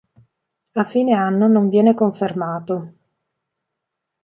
A fine anno non viene confermato.